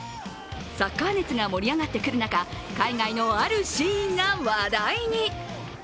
サッカー熱が盛り上がってくる中海外のあるシーンが話題に。